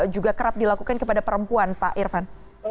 juga kerap dilakukan kepada perempuan pak irfan